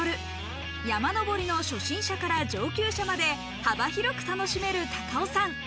山登りの初心者から上級者まで幅広く楽しめる高尾山。